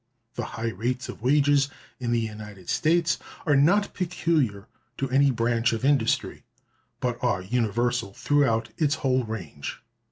The high rates of wages in the United States are not peculiar to any branch of industry, but are universal throughout its whole range.